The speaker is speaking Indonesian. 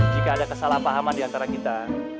jika ada kesalahpahaman diantara kita